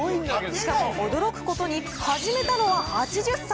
しかも驚くことに始めたのは８０歳。